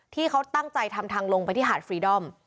ที่เขาตั้งใจทำทางลงไปที่หาดฟรีดอม